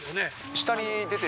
下に出てる。